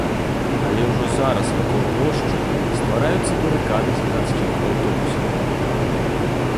Але ўжо зараз вакол плошчы ствараюцца барыкады з гарадскіх аўтобусаў.